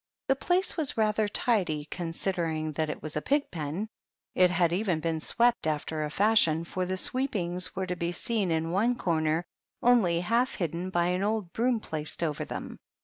The place was rather tidy considering that it was a pig pen : it had even been swept after a fashion, for the sweepings were to be seen in one corner, only half hidden by an old broom placed over them.